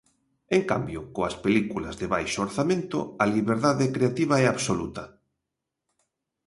En cambio, coas películas de baixo orzamento, a liberdade creativa é absoluta.